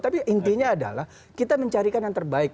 tapi intinya adalah kita mencarikan yang terbaik